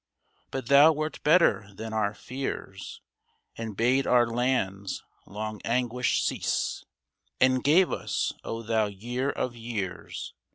But thou wert better than our fears. And bade our land's long anguish cease ; And gave us, O thou Year of years.